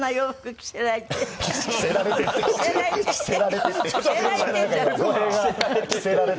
「着せられて」。